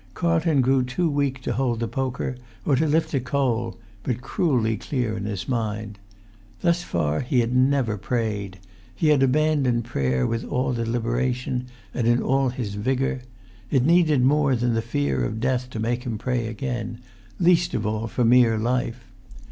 Carlton grew too weak to hold the poker or to lift a coal, but cruelly clear in his mind. Thus far he had never prayed. He had abandoned prayer with all deliberation and in all his vigour. It needed more than the fear of death to make him pray again, least of all for mere life.